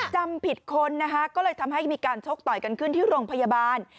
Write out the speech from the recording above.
จำผิดคนนะคะก็เลยทำให้มีการชกต่อยกันขึ้นที่โรงพยาบาล